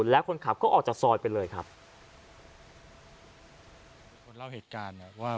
แล้วคนขับก็ออกจากซอยไปเลยครับคนเล่าเหตุการณ์เนี่ยว่า